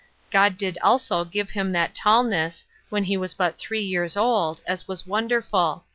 God did also give him that tallness, when he was but three years old, as was wonderful.